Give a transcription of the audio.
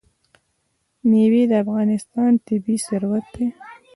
مېوې د افغانستان طبعي ثروت دی.